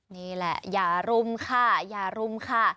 นี่แหละอย่ารุมค่ะ